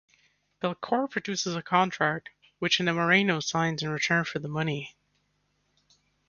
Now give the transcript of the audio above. Belcore produces a contract, which Nemorino signs in return for the money.